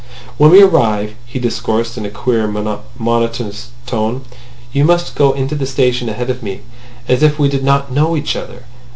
"When we arrive," he discoursed in a queer, monotonous tone, "you must go into the station ahead of me, as if we did not know each other.